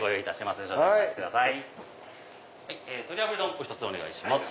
お１つお願いします。